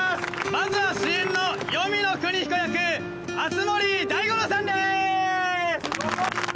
まずは主演の黄泉乃國彦役熱護大五郎さんです！